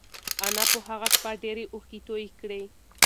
انا په هغه شپه ډېرې اوښکې تویې کړې.